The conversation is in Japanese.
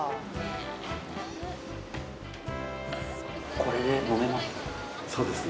これで飲めますね。